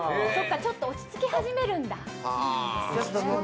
ちょっと落ち着き始めるんだ。